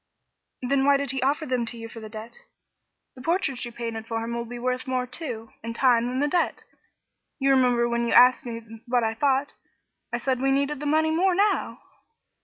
"Then why did he offer them to you for the debt? The portrait you painted for him will be worth more, too, in time, than the debt. You remember when you asked me what I thought, I said we needed the money more now."